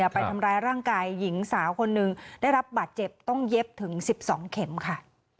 ไปทำร้ายร่างกายหญิงสาวคนหนึ่งได้รับบาดเจ็บต้องเย็บถึง๑๒เข็มค่ะ